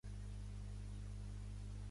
El seu cognom és Bajo: be, a, jota, o.